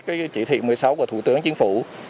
cái chỉ thị một mươi sáu của thủ tướng chính phủ